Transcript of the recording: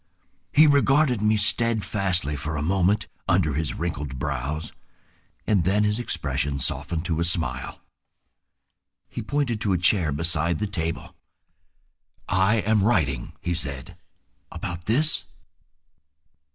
He regarded me steadfastly for a moment under his wrinkled brows, and then his expression softened to a smile. He pointed to a chair beside the table. "I am writing," he said. "About this?"